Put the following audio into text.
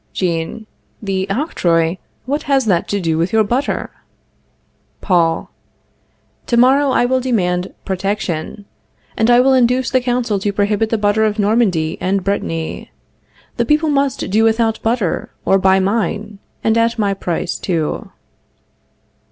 Jean. The octroi! What has that to do with your butter? Paul. To morrow I will demand protection, and I will induce the Council to prohibit the butter of Normandy and Brittany. The people must do without butter, or buy mine, and that at my price, too.